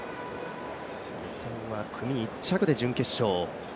予選は組１着で準決勝。